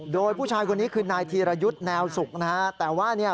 โดยผู้ชายคนนี้คือนายธีรยุทธ์แนวสุขนะฮะแต่ว่าเนี่ย